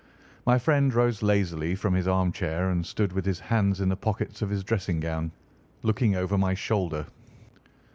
My friend rose lazily from his armchair and stood with his hands in the pockets of his dressing gown, looking over my shoulder.